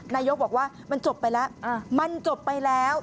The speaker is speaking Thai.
นายกบอกว่ามันจบไปแล้ว